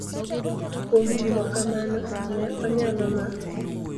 Kuom timo kamano, ne onyalo ma